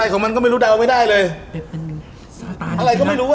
อะไรของมันก็ไม่รู้ดาวไม่ได้เลย